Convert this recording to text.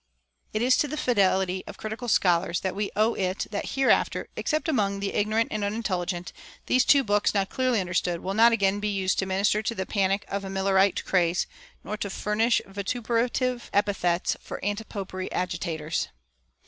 It is to the fidelity of critical scholars that we owe it that hereafter, except among the ignorant and unintelligent, these two books, now clearly understood, will not again be used to minister to the panic of a Millerite craze, nor to furnish vituperative epithets for antipopery agitators.